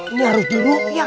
ini harus dimukyah